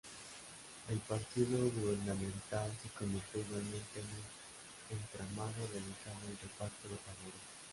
El partido gubernamental se convirtió igualmente en un entramado dedicado al reparto de favores.